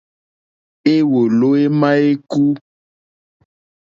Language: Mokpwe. Éwòló émá ékú.